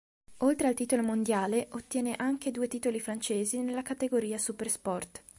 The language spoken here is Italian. Oltre al titolo mondiale, ottiene anche due titoli francesi nella categoria Supersport.